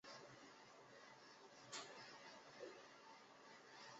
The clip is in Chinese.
顶部在晚上则会呈现由二极管投射的各种梦幻光彩。